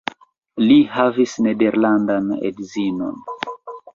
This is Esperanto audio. Li havis nederlandan edzinon.